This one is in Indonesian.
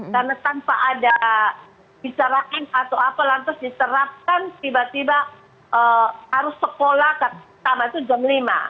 karena tanpa ada bicarakan atau apa lantas diserapkan tiba tiba harus sekolah sama itu jam lima